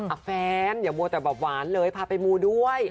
แฟนอย่ามัวแต่แบบหวานเลยพาไปมูด้วย